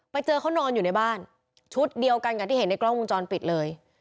ไปเจอเขานอนอยู่ในบ้านชุดเดียวกันกับที่เห็นในกล้องวงจรปิดเลย